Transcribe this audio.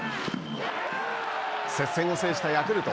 接戦を制したヤクルト。